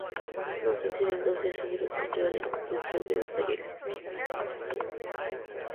Una ausencia de dos días seguidos conlleva la expulsión de los Talleres.